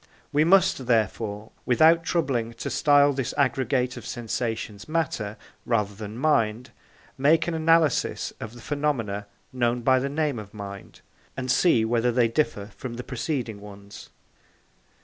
We must, therefore, without troubling to style this aggregate of sensations matter rather than mind, make an analysis of the phenomena known by the name of mind, and see whether they differ from the preceding ones.